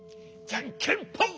じゃんけんぽん。